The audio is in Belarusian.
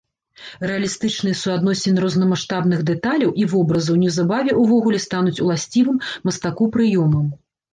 Рэалістычныя суадносіны рознамаштабных дэталяў і вобразаў неўзабаве ўвогуле стануць уласцівым мастаку прыёмам.